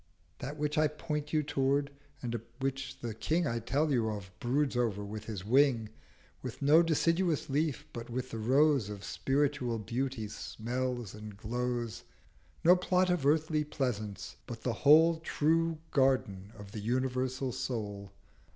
That which I point you tow'rd, and which the King I tell you of broods over with his Wing, With no deciduous leaf, but with the Rose Of Spiritual Beauty, smells and glows: No plot of Earthly Pleasance, but the whole True Garden of the Universal Soul.'